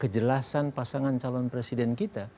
kejelasan pasangan calon presiden kita